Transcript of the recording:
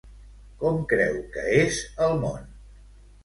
Com creu que és el món?